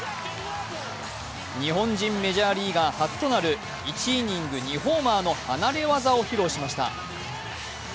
日本人メジャーリーガー初となる１イニング２ホーマーの離れ技を披露しました。